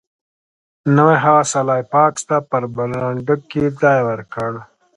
نو هغه سلای فاکس ته په برنډه کې ځای ورکړ